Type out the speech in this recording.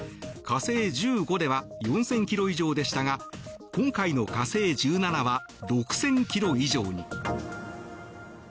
火星１５では４０００ｋｍ以上でしたが今回の火星１７は６０００ｋｍ以上に。